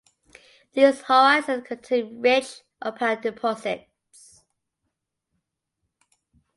These horizons contain rich opal deposits.